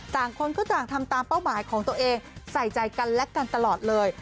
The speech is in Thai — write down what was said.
คนก็ต่างทำตามเป้าหมายของตัวเองใส่ใจกันและกันตลอดเลย